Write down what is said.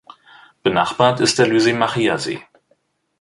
Benachbart ist der Lysimachia-See.